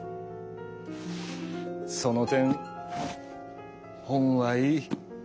その点本はいい。